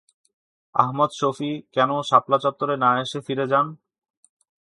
আহমদ শফী কেন শাপলা চত্বরে না এসে ফিরে যান?